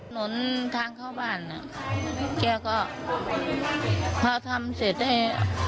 ถนนทางเข้าบ้านอ่ะแกก็พอทำเสร็จให้